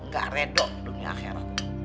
gak redo dunia akhir